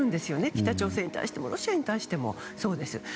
北朝鮮に対してもロシアに対してもそうです。